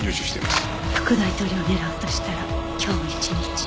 副大統領を狙うとしたら今日一日。